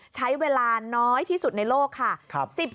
ใช้เวลาน้อยที่สุดในโลกค่ะ